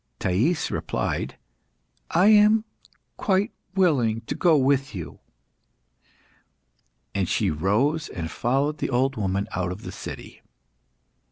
Thais replied "I am quite willing to go with you." And she rose and followed the old woman out of the city.